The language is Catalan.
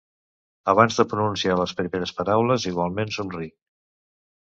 Abans de pronunciar les primeres paraules igualment somric.